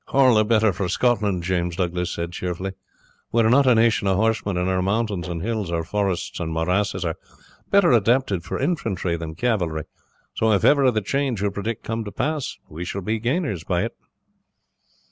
"All the better for Scotland," James Douglas said, cheerfully. "We are not a nation of horsemen, and our mountains and hills, our forests and morasses, are better adapted for infantry than cavalry; so if ever the change you predict come to pass we shall be gainers by it."